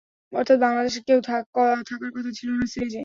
অর্থাৎ, বাংলাদেশের কেউ থাকার কথা ছিলনা সিরিজে।